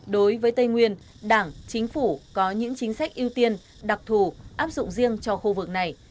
đối với tây nguyên đảng chính phủ có những chính sách ưu tiên đặc thù áp dụng riêng cho khu vực này